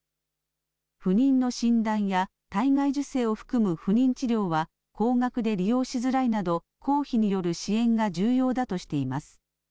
不妊の診断や体外受精を含む不妊治療は、高額で利用しづらいなど、公費による支援が重要だとしています。